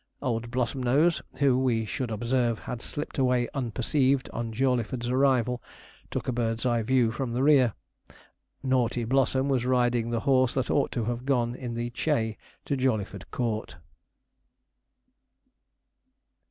Old Blossomnose, who, we should observe, had slipped away unperceived on Jawleyford's arrival, took a bird's eye view from the rear. Naughty Blossom was riding the horse that ought to have gone in the 'chay' to Jawleyford Court.